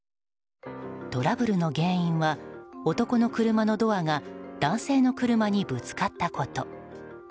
トラブルの原因は男の車のドアが男性の車にぶつかったこと。